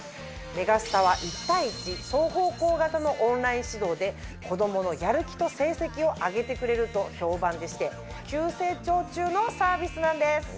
「メガスタ」は１対１双方向型のオンライン指導で子供のやる気と成績を上げてくれると評判でして急成長中のサービスなんです。